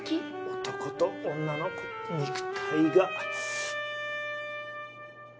男と女の肉体が。